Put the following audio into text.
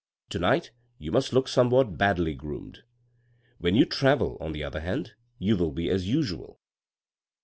To night you must look somewhat badly groomed. When you travel, on the other hand, you will be as usual.